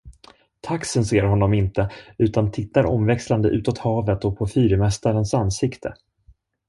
Taxen ser honom inte, utan tittar omväxlande utåt havet och på fyrmästarens ansikte.